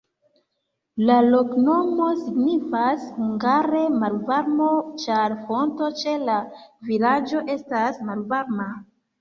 La loknomo signifas hungare malvarmo, ĉar fonto ĉe la vilaĝo estas malvarma.